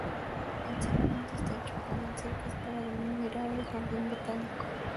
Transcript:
El cerramiento está hecho con cercas para admirar el jardín botánico.